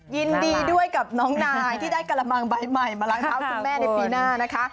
ยินดีด้วยกับน้องนายที่ได้กระมังใบใหม่มาล้างเท้าคุณแม่ในปีหน้านะคะ